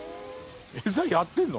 餌やってんの？